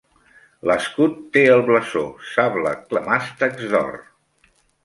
L'escut té el blasó "sable, clemàstecs d'or".